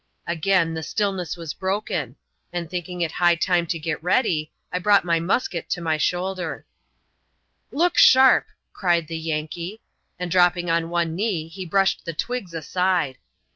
Again ^e still > ness was broken ; and thinking it high time to get ready, I brought my mnsket to my should. ^' Look sharp !" cried the Yankee ; and dropping on one kne^ he brushed the twigs aside.